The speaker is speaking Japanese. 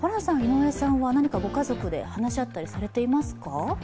何かご家族で話し合ったりされていますか？